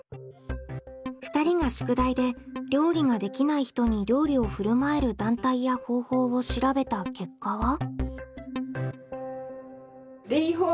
２人が宿題で料理ができない人に料理をふるまえる団体や方法を調べた結果は？